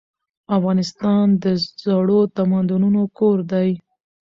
افغانستان د زړو تمدنونو کور دی.